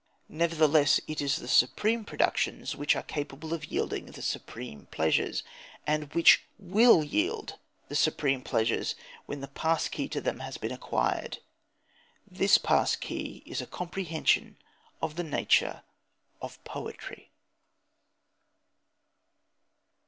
Nevertheless it is the supreme productions which are capable of yielding the supreme pleasures, and which will yield the supreme pleasures when the pass key to them has been acquired. This pass key is a comprehension of the nature of poetry.